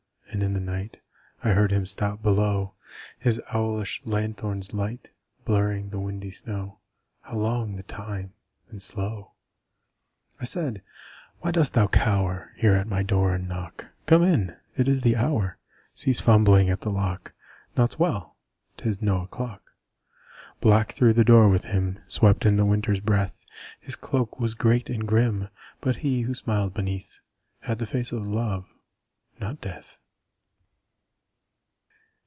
And in the night I heard him stop below, His owlish lanthorn's light Blurring the windy snow How long the time and slow! I said, _Why dost thou cower There at my door and knock? Come in! It is the hour! Cease fumbling at the lock! Naught's well! 'Tis no o'clock!_ Black through the door with him Swept in the Winter's breath; His cloak was great and grim But he, who smiled beneath, Had the face of Love not Death.